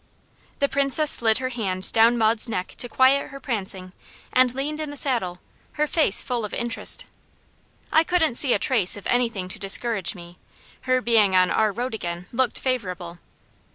The Princess slid her hand down Maud's neck to quiet her prancing, and leaned in the saddle, her face full of interest. I couldn't see a trace of anything to discourage me; her being on our road again looked favourable.